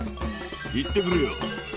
行ってくるよ。